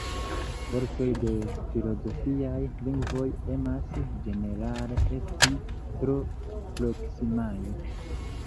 Vortoj de filozofiaj lingvoj emas, ĝenerale, esti tro proksimaj.